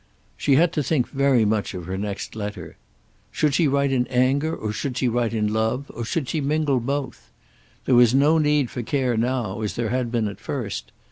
She had to think very much of her next letter. Should she write in anger or should she write in love, or should she mingle both? There was no need for care now, as there had been at first.